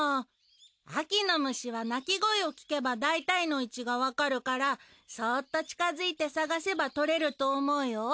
秋の虫は鳴き声を聞けばだいたいの位置がわかるからそっと近づいて探せば捕れると思うよ。